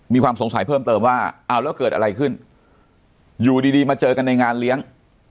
มีความสงสัยเพิ่มเติมว่าเอาแล้วเกิดอะไรขึ้นอยู่ดีมาเจอกันในงานเลี้ยง